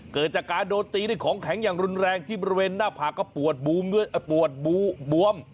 เกิดจากการโดนตีด้วยของแข็งอย่างรุนแรงที่บริเวณหน้าผากก็ปวดบูมด้วยปวดบวม